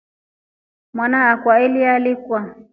Mwana akwa alialikwa.